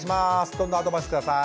どんどんアドバイス下さい。